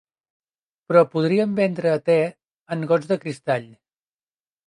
Però podríem vendre té en gots de cristall.